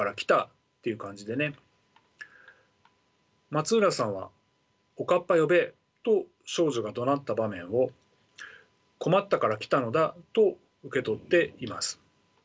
松浦さんは「おかっぱ呼べ！」と少女がどなった場面を困ったから来たのだと受け取っています。